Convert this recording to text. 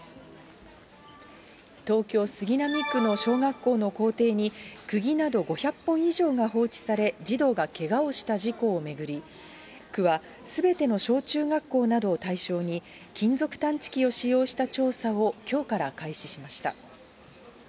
東京・杉並区の小学校の校庭に、くぎなど５００本以上が放置され、児童がけがをした事故を巡り、区はすべての小中学校などを対象に、金属探知機を使用した調査をきょうから開始しました。